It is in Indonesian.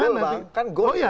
kan gol ya